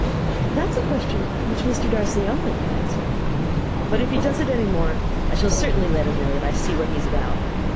"That is a question which Mr. Darcy only can answer." "But if he does it any more, I shall certainly let him know that I see what he is about.